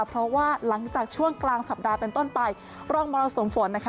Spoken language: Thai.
เพราะว่าหลังจากช่วงกลางสัปดาห์เป็นต้นไปร่องมรสุมฝนนะคะ